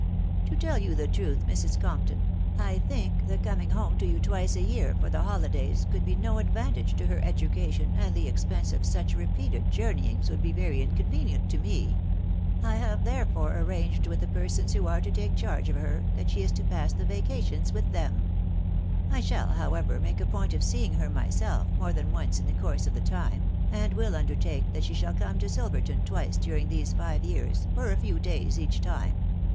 " .To tell you the .truth, Mre. Corrrpton, I think the coming iiome to you twice a year, for the holytaays, could be no i*d van tage to her education, ami the expense of such repeated jour, neyings would be very inconvenient to me. I have therefore arranged with the persons who are 1o tshft *fcrar^£ qfrtetifea*. aafte is to pass the vacations with them. 1 itaa&Owcroeaet ,ratf&*& * point of seeing her myself more tfcaca «o*fe v& ^sfc sskssm i> 4 40 THE WIDOW BARNABY. the time, and will undertake that she shall come to Silverton twice during these five years, for a few days each time.